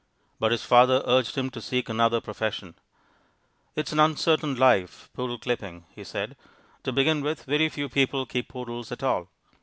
But his father urged him to seek another profession. "It is an uncertain life, poodle clipping," he said, "To begin with, very few people keep poodles at all.